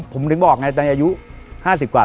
ผมถึงบอกไงตอนอายุ๕๐กว่า